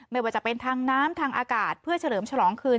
ไม่ว่าจะเป็นทางน้ำทางอากาศเพื่อเฉลิมฉลองคืน